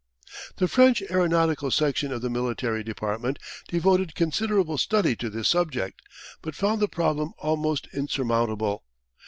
The French aeronautical section of the military department devoted considerable study to this subject, but found the problem almost insurmount able.